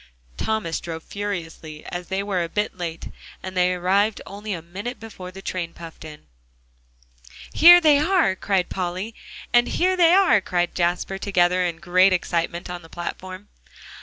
Thomas drove furiously, as they were a bit late, and they arrived only a minute before the train puffed in. "Here they are!" cried Polly, and "Here they are!" cried Jasper, together, in great excitement, on the platform.